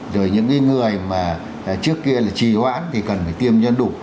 rồi những người mà trước kia là trì hoãn thì cần phải tiêm nhân đủ